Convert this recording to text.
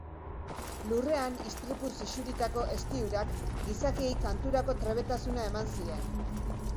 Lurrean istripuz isuritako ezti-urak gizakiei kanturako trebetasuna eman zien.